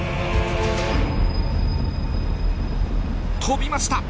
飛びました！